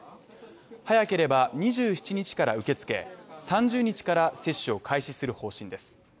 早ければ２７日から受け付け、３０日から接種を開始する方針です。